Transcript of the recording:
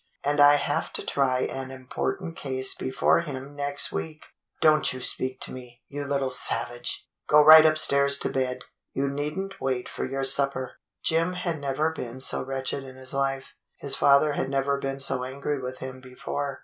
And I have to try an important case before him next week. Don't you speak to me, you little savage ! Go right upstairs to bed ! You need n't wait for your supper." Jim had never been so wretched in his life. His father had never been so angry with him before.